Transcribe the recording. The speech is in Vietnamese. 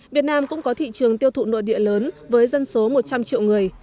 việt nam cũng có thị trường tiêu thụ nội địa lớn với dân số một trăm linh triệu người